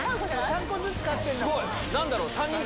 ３個ずつ買ってんだ。